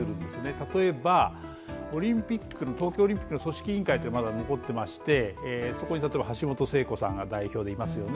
例えば、東京オリンピックの組織委員会はまだ残っていましてそこに例えば橋本聖子さんが代表でいますよね。